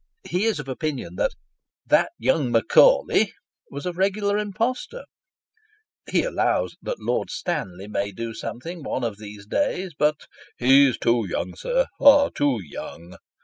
He is of opinion that " that young Macaulay " was a regular impostor ; he allows, that Lord Stanley may do something one of these days, but " he's too young, sir too young."